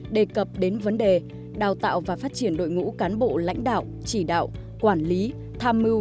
đề cập đến vấn đề đào tạo và phát triển đội ngũ cán bộ lãnh đạo chỉ đạo quản lý tham mưu